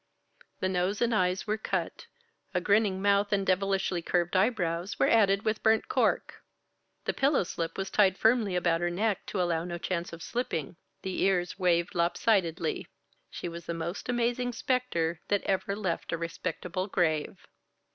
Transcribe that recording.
The nose and eyes were cut; a grinning mouth and devilishly curved eyebrows were added with burnt cork. The pillow slip was tied firmly about her neck to allow no chance of slipping, the ears waved lopsidedly; she was the most amazing specter that ever left a respectable grave.